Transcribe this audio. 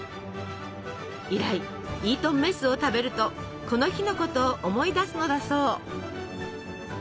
以来イートンメスを食べるとこの日のことを思い出すのだそう。